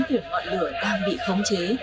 từ ngọn lửa đang bị khống chế